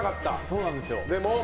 そうなんですよ。